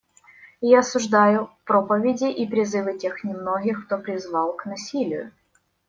И я осуждаю проповеди и призывы тех немногих, кто призвал к насилию.